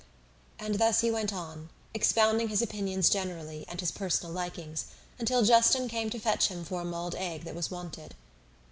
And thus he went on, expounding his opinions generally and his personal likings, until Justin came to fetch him for a mulled egg that was wanted.